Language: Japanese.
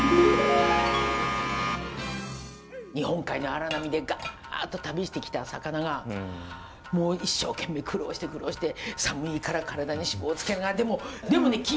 日本海の荒波でガッと旅してきた魚がもう一生懸命苦労して苦労して寒いから体に脂肪つけながらでもね